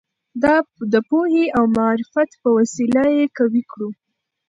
د پوهې او معرفت په وسیله یې قوي کړو.